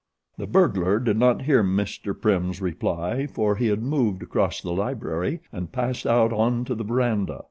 The burglar did not hear Mr. Prim's reply for he had moved across the library and passed out onto the verandah.